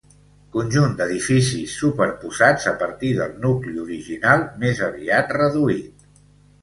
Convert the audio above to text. Conjunt d'edificis superposats a partir del nucli original més aviat reduït.